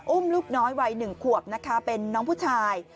อุ้มลูกน้อยวัย๑ขวบนะคะเป็นน้องผู้ชาย